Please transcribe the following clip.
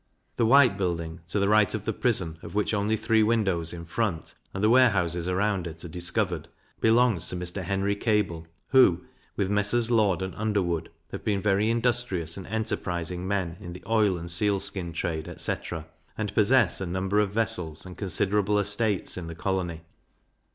The White Building, to the right of the Prison, of which only three windows in front, and the warehouses around it, are discovered, belongs to Mr. Henry Kable, who, with Messrs. Lord and Underwood, have been very industrious and enterprising men in the oil and sealskin trade, etc. and possess a number of vessels and considerable estates in the colony.